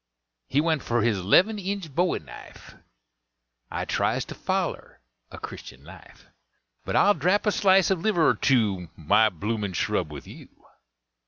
He went for his 'leven inch bowie knife: "I tries to foller a Christian life; But I'll drap a slice of liver or two, My bloomin' shrub, with you."